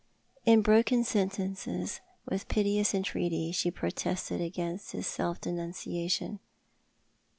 In broken sentences, with piteous entreaty, she protested against his self denunciation.